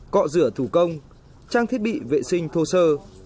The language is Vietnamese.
cọ rửa thủ công trang thiết bị vệ sinh thô sơ